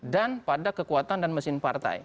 dan pada kekuatan dan mesin partai